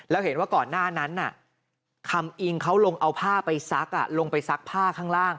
แล้วเห็นว่าก่อนหน้านั้นคำอิงเขาลงเอาผ้าไปซักลงไปซักผ้าข้างล่าง